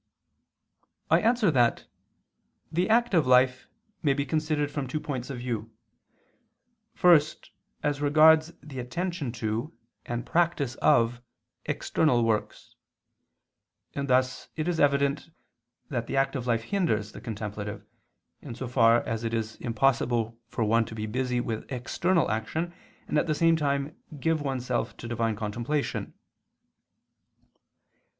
I answer that, The active life may be considered from two points of view. First, as regards the attention to and practice of external works: and thus it is evident that the active life hinders the contemplative, in so far as it is impossible for one to be busy with external action, and at the same time give oneself to Divine contemplation.